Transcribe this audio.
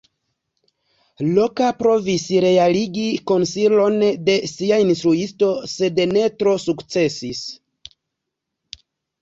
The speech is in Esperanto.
Roka provis realigi konsilon de sia instruisto, sed ne tro sukcesis.